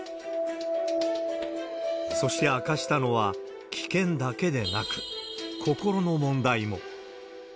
そして、明かしたのは棄権だけでなく、心の問題も。